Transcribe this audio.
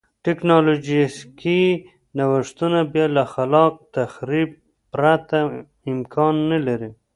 ټکنالوژیکي نوښتونه بیا له خلاق تخریب پرته امکان نه لري.